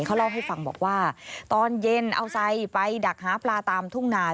เขาเล่าให้ฟังบอกว่าตอนเย็นเอาไซไปดักหาปลาตามทุ่งนา